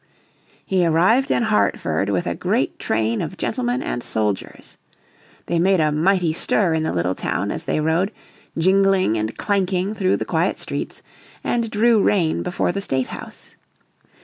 He arrived in Hartford with a great train of gentlemen and soldiers. They made a mighty stir in the little town as they rode, jingling and clanking through the quiet streets, and drew rein before the state house.